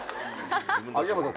秋山さん